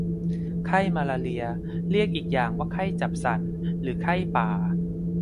ไข้มาลาเรีย เรียกอีกอย่างว่าไข้จับสั่น หรือไข้ป่า